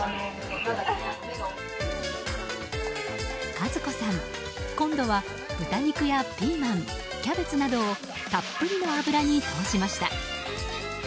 和子さん、今度は豚肉やピーマン、キャベツなどをたっぷりの油に通しました。